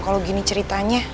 kalau gini ceritanya